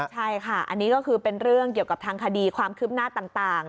ใช่ค่ะอันนี้ก็คือเป็นเรื่องเกี่ยวกับทางคดีความคืบหน้าต่าง